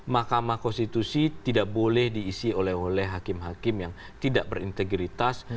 makamah konstitusi tidak boleh diisi oleh oleh hakim hakim yang tidak berintegritas